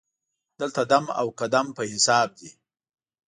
دلته دم او قدم په حساب دی.